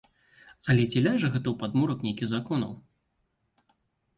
Але ці ляжа гэта ў падмурак нейкіх законаў?